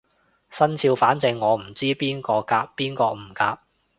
生肖反正我唔知邊個夾邊個唔夾